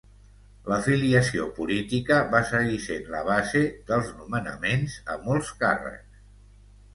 L'afiliació política va seguir sent la base dels nomenaments a molts càrrecs.